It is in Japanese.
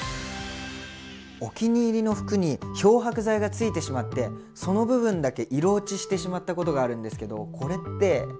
お気に入りの服に漂白剤がついてしまってその部分だけ色落ちしてしまったことがあるんですけどこれって。